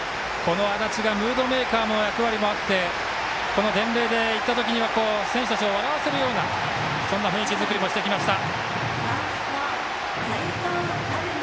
安達がムードメーカーの役割もあって伝令で行ったときには選手たちを笑わせるようなそんな雰囲気作りもしてきました。